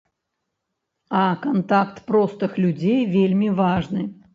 А кантакт простых людзей вельмі важны.